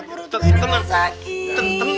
perut gue ini sakit